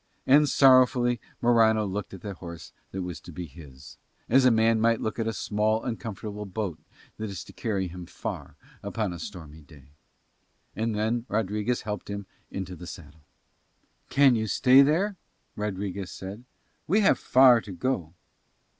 And sorrowfully Morano looked at the horse that was to be his, as a man might look at a small, uncomfortable boat that is to carry him far upon a stormy day. And then Rodriguez helped him into the saddle. "Can you stay there?" Rodriguez said. "We have far to go."